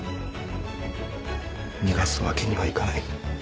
逃がすわけにはいかない。